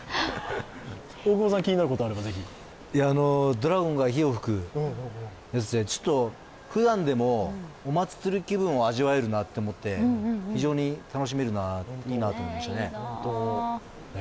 ドラゴンが火を噴く、ふだんでもお祭り気分を味わえるなと思って非常に楽しめるな、いいなと思いましたね。